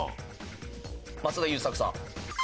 松田優作さん。